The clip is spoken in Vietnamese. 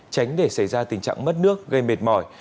tránh để xảy ra tình trạng mất nước gây mệt mỏi